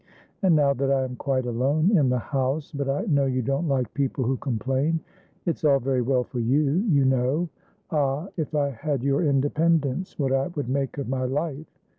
And now that I am quite alone in the housebut I know you don't like people who complain. It's all very well for you, you know. Ah! if I had your independence! What I would make of my life!